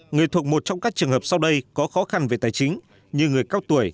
người thuộc một trong các trường hợp sau đây có khó khăn về tài chính như người cao tuổi